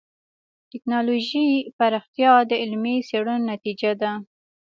د ټکنالوجۍ پراختیا د علمي څېړنو نتیجه ده.